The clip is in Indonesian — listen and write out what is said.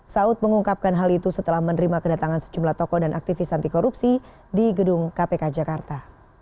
saud mengungkapkan hal itu setelah menerima kedatangan sejumlah tokoh dan aktivis anti korupsi di gedung kpk jakarta